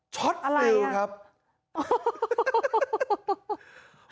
ช็อตมิวครับอะไรฮะ